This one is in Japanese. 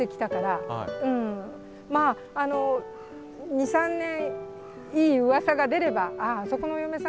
２３年いいうわさが出れば「あああそこのお嫁さん